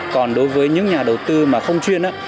còn đối với những nhà đầu tư mà không chuyên